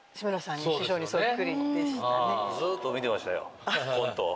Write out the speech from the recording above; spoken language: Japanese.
ずっと見てましたよコントを。